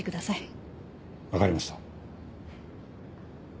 わかりました。